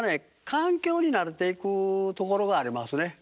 環境に慣れていくところがありますね。